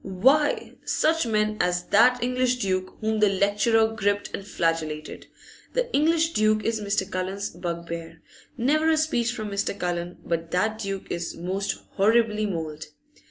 Why, such men as that English duke whom the lecturer gripped and flagellated. The English duke is Mr. Cullen's bugbear; never a speech from Mr. Cullen but that duke is most horribly mauled.